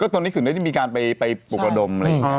ก็ตรงนี้คือมีการไปปกดม